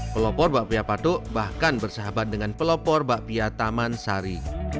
pelopor bakpia patuk bahkan bersahabat dengan pelopor bakpia taman sari